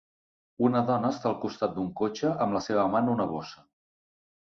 Una dona està al costat d'un cotxe amb la seva mà en una bossa.